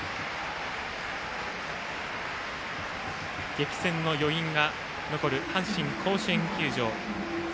激戦の余韻が残る阪神甲子園球場。